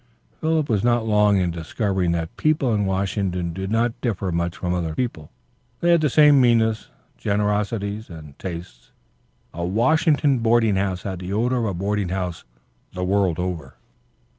Philip was not long in discovering that people in Washington did not differ much from other people; they had the same meannesses, generosities, and tastes: A Washington boarding house had the odor of a boarding house the world over.